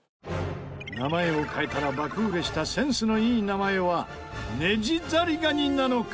名前を変えたら爆売れしたセンスのいい名前はネジざりがになのか？